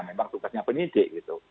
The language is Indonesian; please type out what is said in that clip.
memang tugasnya penyidik gitu